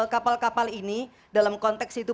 kapal kapal ini dalam konteks itu